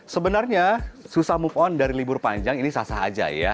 sebenarnya susah move on dari libur panjang ini sah sah aja ya